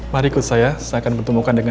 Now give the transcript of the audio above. mari ikut saya saya akan bertemukan dengan